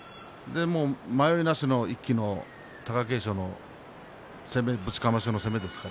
迷いなしの一気の貴景勝のぶちかましの攻め。